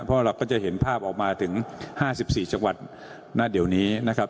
เพราะเราก็จะเห็นภาพออกมาถึง๕๔จังหวัดณเดี๋ยวนี้นะครับ